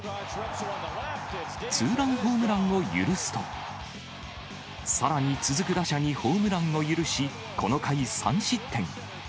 ツーランホームランを許すと、さらに続く打者にホームランを許し、この回、３失点。